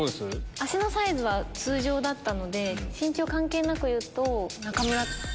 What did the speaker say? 足のサイズは通常だったので身長関係なくいうと。